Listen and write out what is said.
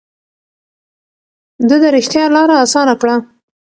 ده د رښتيا لاره اسانه کړه.